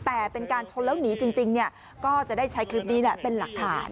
แต่เป็นการชนแล้วหนีจริงก็จะได้ใช้คลิปนี้เป็นหลักฐาน